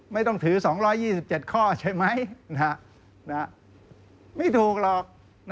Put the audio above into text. ไม่ต้องถือ๒๒๗ข้อใช่ไหมไม่ถูกหรอก